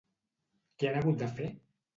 Què han hagut de fer?